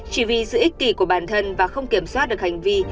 chỉ vì sự ích kỳ của bản thân và không kiểm soát được hành vi